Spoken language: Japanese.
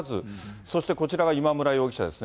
そしてこちらが今村容疑者ですね、